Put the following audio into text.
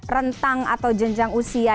rentang atau jenjang usia